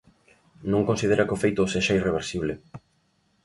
Non considera que o feito sexa irreversible.